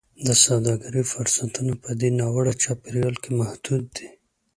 د سوداګرۍ فرصتونه په دې ناوړه چاپېریال کې محدود دي.